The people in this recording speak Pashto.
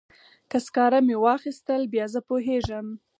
که سکاره مې واخیستل بیا زه پوهیږم.